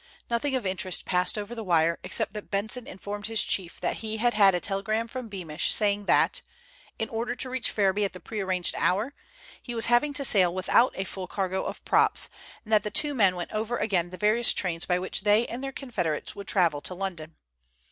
Nothing of interest passed over the wire, except that Benson informed his chief that he had had a telegram from Beamish saying that, in order to reach Ferriby at the prearranged hour, he was having to sail without a full cargo of props, and that the two men went over again the various trains by which they and their confederates would travel to London.